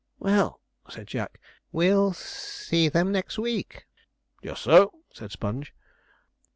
'Well,' said Jack,' we'll s s s see them next week.' 'Just so,' said Sponge.